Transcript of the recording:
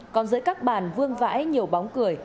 còn giữa các bàn vương vãi nhiều bóng cười